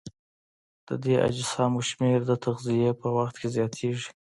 د دې اجسامو شمېر د تغذیې په وخت کې زیاتیږي.